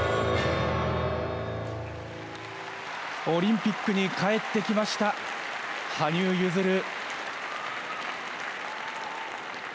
オリンピックに帰ってきました、羽生結弦。